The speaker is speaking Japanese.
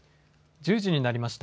１０時になりました。